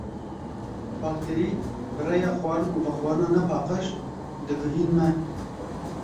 Bakterî bi rêya xwarin û vexwarina nepaqij digihîn me.